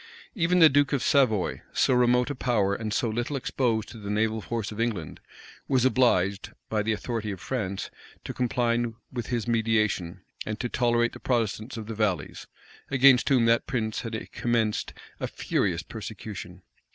Even the duke of Savoy, so remote a power, and so little exposed to the naval force of England, was obliged, by the authority of France, to comply with his mediation, and to tolerate the Protestants of the valleys, against whom that prince had commenced a furious persecution.